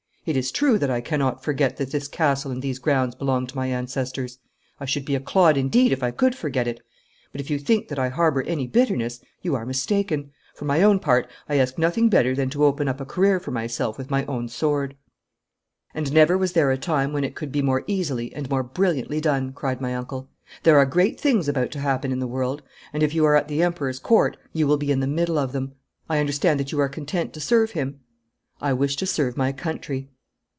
'It is true that I cannot forget that this castle and these grounds belonged to my ancestors I should be a clod indeed if I could forget it but if you think that I harbour any bitterness, you are mistaken. For my own part, I ask nothing better than to open up a career for myself with my own sword.' 'And never was there a time when it could be more easily and more brilliantly done,' cried my uncle. 'There are great things about to happen in the world, and if you are at the Emperor's court you will be in the middle of them. I understand that you are content to serve him?' 'I wish to serve my country.'